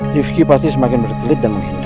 rifki pasti semakin berkelit dan menghindar